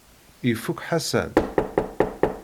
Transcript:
Ifukk Ḥasan.